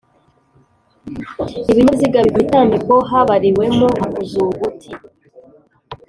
ibinyabiziga bifite imitambiko habariwemo makuzugu T